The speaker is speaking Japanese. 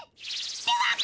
では！